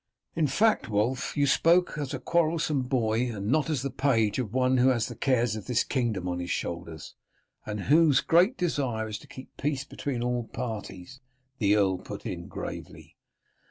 "In fact, Wulf, you spoke as a quarrelsome boy and not as the page of one who has the cares of this kingdom on his shoulders, and whose great desire is to keep peace between all parties," the earl put in gravely.